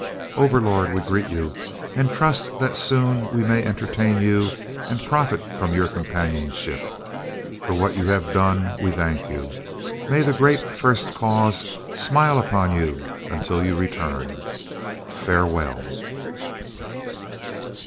"Overlord, we greet you, and trust that soon we may entertain you and profit from your companionship. For what you have done, we thank you. May the great First Cause smile upon you until your return. Farewell."